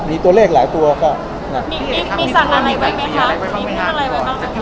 มีตัวเลขหลายตัวก็น่ะมีมีสั่นอะไรไว้ไหมครับ